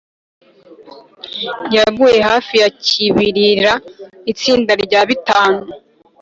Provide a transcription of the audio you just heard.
yaguye hafi ya kibirira. itsinda rya bitanu